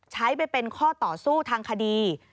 ใช้ไปเป็นข้อต่อสู้ทางคดี